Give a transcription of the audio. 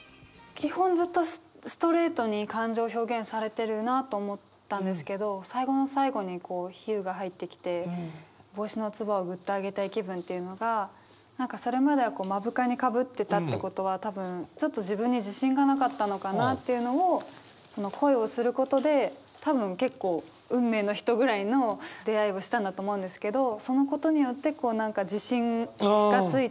基本ずっとストレートに感情表現されてるなと思ったんですけど最後の最後に比喩が入ってきて「帽子のつばをぐっと上げたい気分」っていうのが何かそれまでは目深にかぶってたってことは多分ちょっと自分に自信がなかったのかなっていうのを恋をすることで多分結構運命の人ぐらいの出会いをしたんだと思うんですけどそのことによって自信がついたみたいな。